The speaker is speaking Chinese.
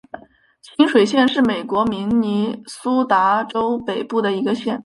清水县是美国明尼苏达州北部的一个县。